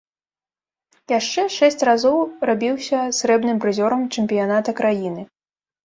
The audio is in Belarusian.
Яшчэ шэсць разоў рабіўся срэбным прызёрам чэмпіяната краіны.